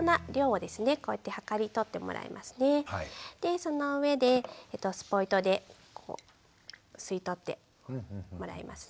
その上でスポイトで吸い取ってもらいますね。